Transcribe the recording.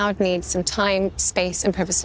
kita sekarang membutuhkan beberapa waktu ruang dan privasi